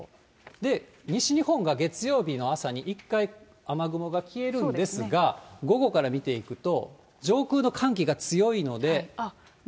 で、西日本が月曜日の朝に一回、雨雲が消えるんですが、午後から見ていくと、上空の寒気が強いので。